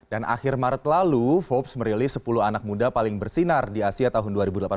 dan akhir maret lalu forbes merilis sepuluh anak muda paling bersinar di asia tahun dua ribu delapan belas